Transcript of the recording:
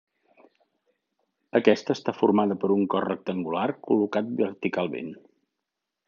Aquesta està formada per un cos rectangular col·locat verticalment.